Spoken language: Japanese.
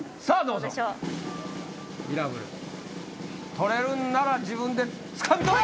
取れるんなら自分でつかみ取れ！